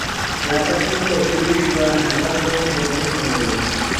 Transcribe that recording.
مەقئەتتىن تەكشۈرۈش ۋە ھەمەل قىلىش مەنئى قىلىنىدۇ.